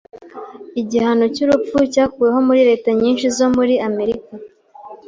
Igihano cyurupfu cyakuweho muri leta nyinshi zo muri Amerika.